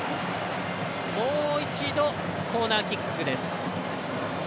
もう一度、コーナーキックです。